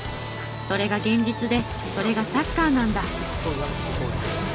それが現実でそれがサッカーなんだ。